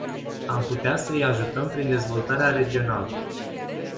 Am putea să îi ajutăm prin dezvoltarea regională.